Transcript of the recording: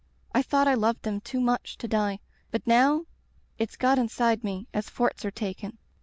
I thought I loved them too much to die. But now — it's got inside me — ^as forts arc taken.